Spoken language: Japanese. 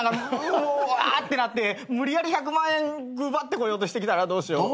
うわってなって無理やり１００万円奪ってこようとしてきたらどうしよう。